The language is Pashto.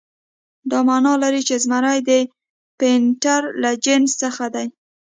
دا معنی لري چې زمری د پینتر له جنس څخه دی.